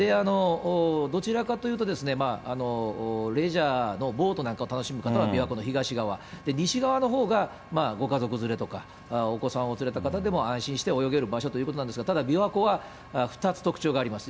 どちらかというと、レジャーのボートなんかを楽しむ方は琵琶湖の東側、西側のほうがご家族連れとか、お子さんを連れた方でも安心して泳げる場所ということなんですが、ただ、琵琶湖は２つ特徴があります。